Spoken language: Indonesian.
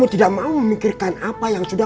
tidak ada yang salah